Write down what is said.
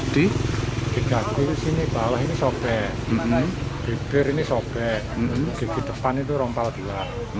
di kaki sini bawah ini sobek bibir ini sobek bibir depan itu rompal dua